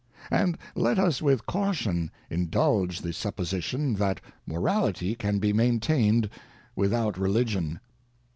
And let us with caution indulge the supposition, that morality can be maintained without religion.